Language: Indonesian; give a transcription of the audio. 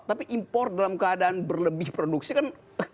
tapi impor dalam keadaan berlebih produksi kan